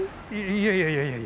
いやいやいやいや。